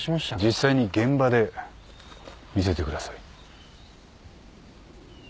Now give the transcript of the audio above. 実際に現場で見せてください。